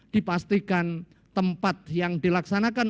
dipastikan tempat yang dilaksanakan